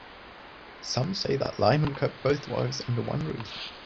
Some say that Lyman kept both wives under one roof.